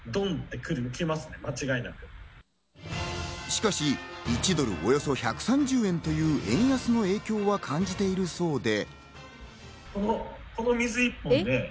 しかし、１ドルおよそ１３０円という円安の影響は感じているそうで。